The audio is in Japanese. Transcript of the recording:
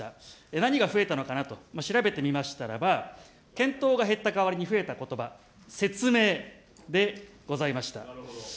何が増えたのかなと、調べて見ましたらば、検討が減った代わりに増えたことば、説明でございました。